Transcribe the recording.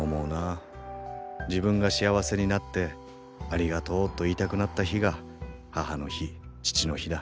自分が幸せになってありがとうと言いたくなった日が母の日父の日だ。